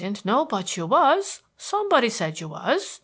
Didn't know but you was. Somebody said you was.